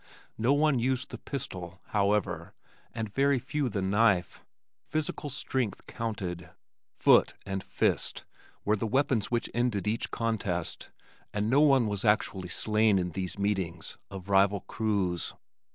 No one used the pistol, however, and very few the knife. Physical strength counted. Foot and fist were the weapons which ended each contest and no one was actually slain in these meetings of rival crews.